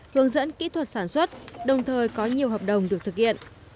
hướng dẫn kỹ thuật sản xuất đồng thời có nhiều hợp đồng được thực hiện